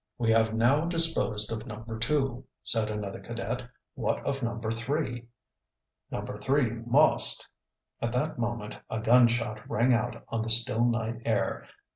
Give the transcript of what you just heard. "We have now disposed of number two," said another cadet. "What of number three?" "Number three must " At that moment a gun shot rang out on the still night air.